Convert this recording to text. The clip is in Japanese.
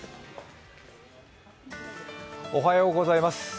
おはようございます